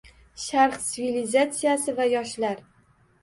Sharq sivilizatsiyasi va yoshlar